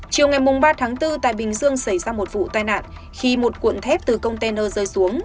chiều ngày ba tháng bốn tại bình dương xảy ra một vụ tai nạn khi một cuộn thép từ container rơi xuống